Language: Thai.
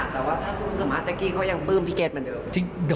แต่ว่าถ้าสุดสมัยจักกี้เค้ายังปื้มพี่เกรดเหมือนเดิม